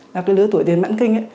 là cái lứa tuổi tiền mãn kinh